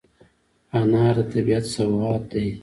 انار د طبیعت سوغات دی.